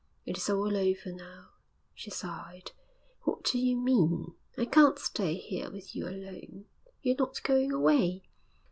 'It is all over now,' she sighed. 'What do you mean?' 'I can't stay here with you alone.' 'You're not going away?'